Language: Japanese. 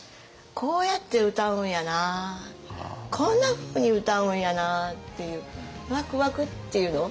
こうやって歌うんやなこんなふうに歌うんやなっていうわくわくっていうの？